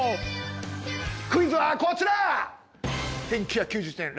クイズはこちら！